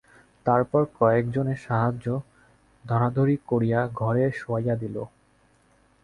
তারপর কয়েকজনের সাহায্যে ধরাধরি করিয়া ঘরে শোয়াইয়া দিল।